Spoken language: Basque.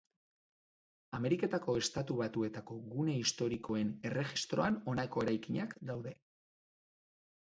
Ameriketako Estatu Batuetako Gune Historikoen Erregistroan honako eraikinak daude.